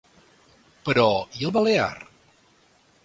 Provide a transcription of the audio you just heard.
Però, i el balear?